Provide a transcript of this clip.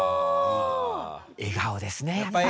笑顔ですねやっぱりね。